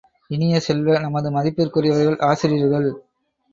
இனிய செல்வ, நமது மதிப்பிற்குரியவர்கள் ஆசிரியர்கள்!